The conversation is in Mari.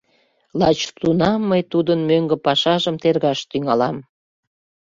Лач тунам мый тудын мӧҥгӧ пашажым тергаш тӱҥалам.